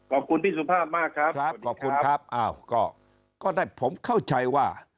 ขอบคุณพี่สุภาพมากครับครับขอบคุณครับอ้าวก็ได้ผมเข้าใจว่า